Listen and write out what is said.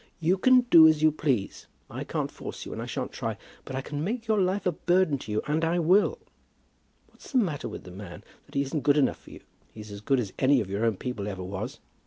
"You can do as you please. I can't force you, and I shan't try. But I can make your life a burden to you, and I will. What's the matter with the man that he isn't good enough for you? He's as good as any of your own people ever was.